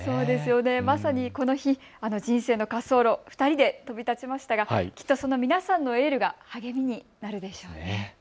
まさに、この日、人生の滑走路を２人で飛び立ちましたが、きっと皆さんのエールが励みになるでしょうね。